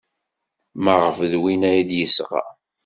Maɣef d win ay d-yesɣa?